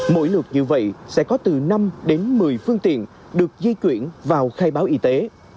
mỗi lượt như vậy sẽ có từ năm đến một mươi phương tiện được di chuyển vào khai báo y tế